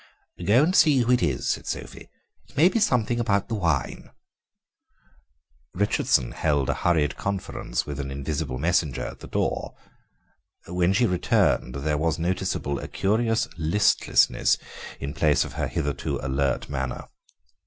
"Go and see who it is," said Sophie; "it may be something about the wine." Richardson held a hurried conference with an invisible messenger at the door; when she returned there was noticeable a curious listlessness in place of her hitherto alert manner.